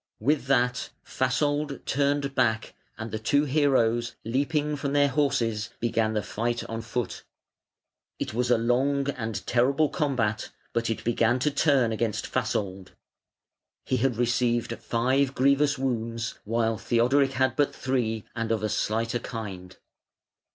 With that Fasold turned back, and the two heroes leaping from their horses began the fight on foot. It was a long and terrible combat, but it began to turn against Fasold. He had received five grievous wounds, while Theodoric had but three, and of a slighter kind.